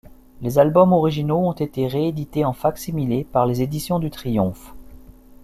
Les albums originaux ont été réédités en fac-similé par les Éditions du Triomphe.